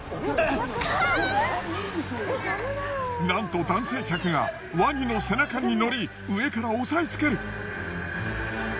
なんと男性客がワニの背中に乗り上から押さえつける。